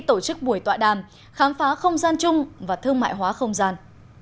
tổ chức buổi tọa đàm khám phá không gian chung và thương mại hóa không gian